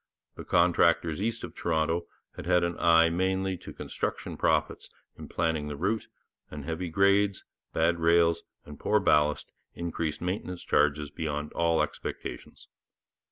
The contractors, east of Toronto, had had an eye mainly to construction profits in planning the route, and heavy grades, bad rails, and poor ballast increased maintenance charges beyond all expectations.